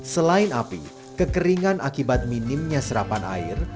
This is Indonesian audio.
selain api kekeringan akibat minimnya serapan air